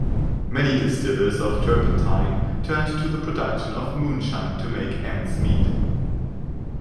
Many distillers of turpentine turned to the production of moonshine to make ends meet.